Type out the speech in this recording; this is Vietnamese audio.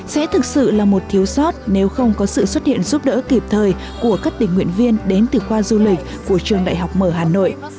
sẽ thực sự là một thiếu sót nếu không có sự xuất hiện giúp đỡ kịp thời của các tình nguyện viên đến từ khoa du lịch của trường đại học mở hà nội